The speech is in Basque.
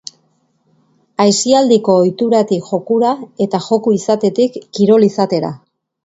Aisialdiko ohituratik jokura, eta joku izatetik kirol izatera.